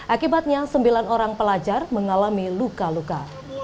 akibatnya sembilan orang pelajar mengalami luka luka